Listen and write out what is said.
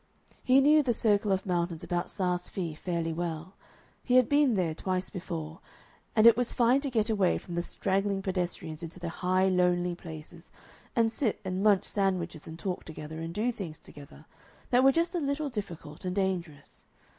He knew the circle of mountains about Saas Fee fairly well: he had been there twice before, and it was fine to get away from the straggling pedestrians into the high, lonely places, and sit and munch sandwiches and talk together and do things together that were just a little difficult and dangerous.